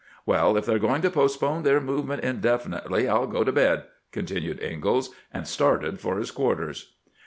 "Well, if they 're going to postpone their movement indefinitely, I 'U go to bed," continued IngaUs, and started for his quarters.